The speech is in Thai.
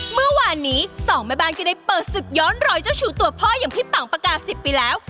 เมื่อวานนี้สองแม่บ้านก็ได้เปิดศึกย้อนรอยเจ้าชูตัวพ่ออย่างพี่ปังประกาศิษย์ไปแล้ว